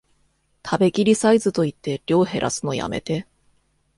食べきりサイズと言って量へらすのやめて